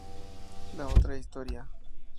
La Otra Historia.